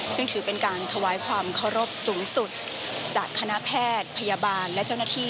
ซึ่งถือเป็นการถวายความเคารพสูงสุดจากคณะแพทย์พยาบาลและเจ้าหน้าที่